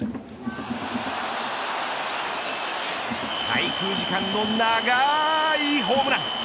滞空時間の長いホームラン。